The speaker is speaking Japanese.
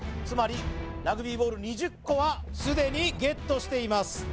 つまりラグビーボール２０個はすでにＧＥＴしています